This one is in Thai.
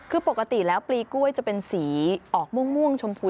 คือปกติแล้วปลีกล้วยจะเป็นสีออกม่วงชมพู